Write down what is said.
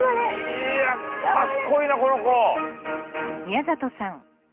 いやかっこいいなこの子！